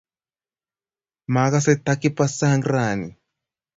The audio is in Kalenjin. Makase ta kipa sang' ranim